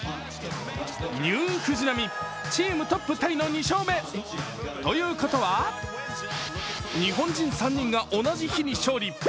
ニュー藤浪、チームトップタイの２勝目。ということは、日本人３人が同じ日に勝利。